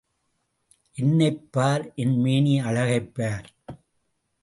என்னைப் பார் என் மேனி அழகைப் பார்.